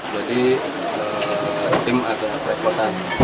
jadi tim agak perempuan